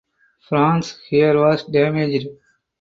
France here was damaged.